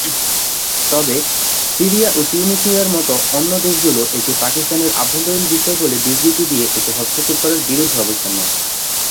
তবে, সিরিয়া ও তিউনিসিয়ার মত অন্য দেশগুলো একে পাকিস্তানের আভ্যন্তরীণ বিষয় বলে বিবৃতি দিয়ে এতে হস্তক্ষেপ করার বিরুদ্ধে অবস্থান নেয়।